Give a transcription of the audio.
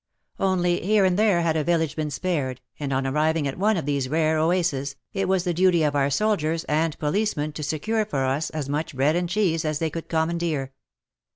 Only here and there had a village been spared, and on arriving at one of these rare oases, it was the duty of our soldiers and policemen to secure for us as much bread and cheese as they could commandeer.